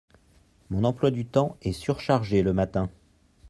Mon emploi du temps est surchargé le matin.